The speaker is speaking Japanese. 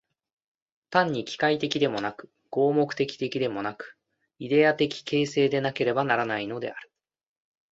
単に機械的でもなく、合目的的でもなく、イデヤ的形成でなければならないのである。